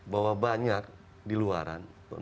bahwa banyak di luaran